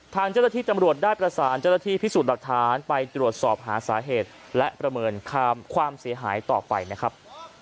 ทางเจ้าหน้าที่ตำรวจได้ประสานเจ้าหน้าที่พิสูจน์หลักฐานไปตรวจสอบหาสาเหตุและประเมินความเสียหายต่อไปนะครับ